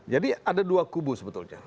jadi ada dua kubu sebetulnya